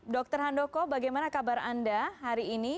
dr handoko bagaimana kabar anda hari ini